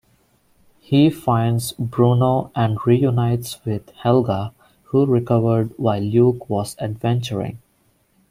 He finds Bruno and reunites with Helga who recovered while Luke was adventuring.